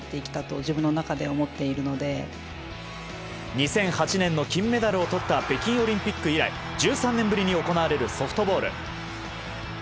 ２００８年の金メダルをとった北京オリンピック以来１３年ぶりに行われるソフトボール。